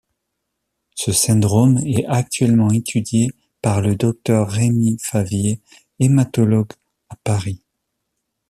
Ce syndrome est actuellement étudié par le docteur Rémi Favier, hématologue à Paris.